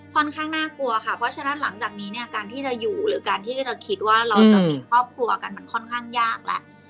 ค่อนข้างน่ากลัวค่ะเพราะฉะนั้นหลังจากนี้เนี่ยการที่จะอยู่หรือการที่จะคิดว่าเราจะมีครอบครัวกันมันค่อนข้างยากแหละ